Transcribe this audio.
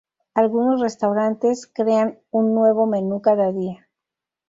Algunos restaurantes crean un nuevo menú cada día.